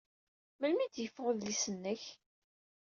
Melmi ay d-yeffeɣ udlis-nnek?